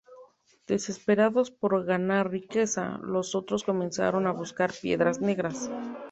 Desesperados por ganar riqueza, los otros comenzaron a buscar piedras negras.